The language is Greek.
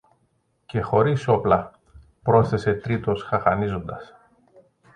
Και χωρίς όπλα, πρόσθεσε τρίτος χαχανίζοντας.